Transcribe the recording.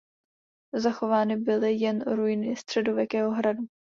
Zachovány byly jen ruiny středověkého hradu.